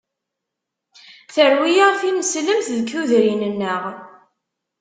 Terwi-aɣ tineslemt deg tudrin-nneɣ.